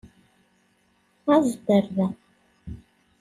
Aẓ-d ɣer da!